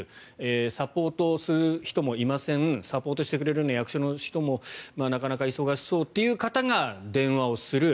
サポートする人もいませんサポートしてくれるような役所の人もなかなか忙しそうという方が電話をする。